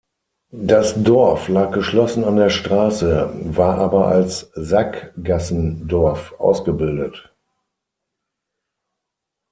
Das Dorf lag geschlossen an der Straße, war aber als Sackgassendorf ausgebildet.